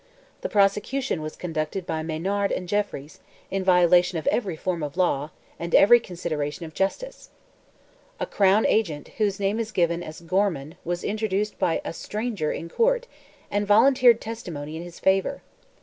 The prosecution was conducted by Maynard and Jeffries, in violation of every form of law, and every consideration of justice. A "crown agent," whose name is given as Gorman, was introduced by "a stranger" in court, and volunteered testimony in his favour.